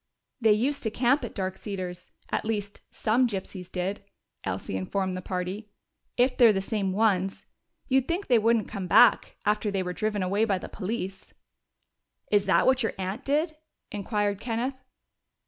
"They used to camp at Dark Cedars at least, some gypsies did," Elsie informed the party. "If they're the same ones, you'd think they wouldn't come back, after they were driven away by the police." "Is that what your aunt did?" inquired Kenneth.